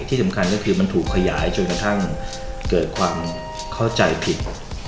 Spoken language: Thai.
ที่สำคัญก็คือมันถูกขยายจนกระทั่งเกิดความเข้าใจผิด